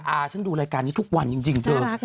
ฉันดูรายการนี้ทุกวันจริงเธอ